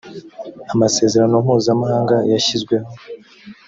amasezerano mpuzamahanga yashyizweho